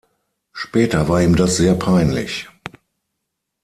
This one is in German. Später war ihm das sehr peinlich.